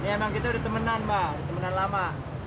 emang kita udah temenan mba temenan lama